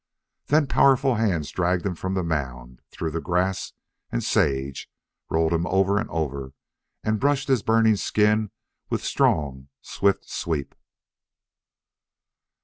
Then powerful hands dragged him from the mound, through the grass and sage, rolled him over and over, and brushed his burning skin with strong, swift sweep.